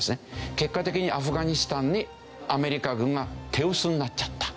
結果的にアフガニスタンにアメリカ軍が手薄になっちゃった。